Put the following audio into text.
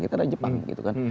kita ada jepang gitu kan